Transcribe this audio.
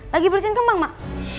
lagi bersin kembang mak